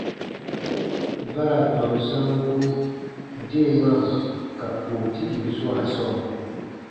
Ba ra tɔnu sanku deemaa ka pootikin swaa sɔɔ.